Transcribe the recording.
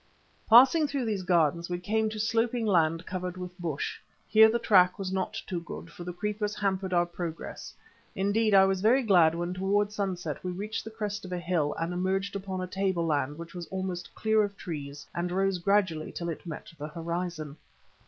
Passing through these gardens we came to sloping land covered with bush. Here the track was not too good, for the creepers hampered our progress. Indeed, I was very glad when towards sunset we reached the crest of a hill and emerged upon a tableland which was almost clear of trees and rose gradually till it met the horizon.